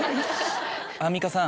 アンミカさん。